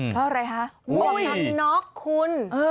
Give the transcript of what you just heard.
เพราะอะไรฮะบอกนั้นน๊อกคุณ